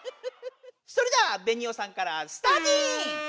それではベニオさんからスターティン！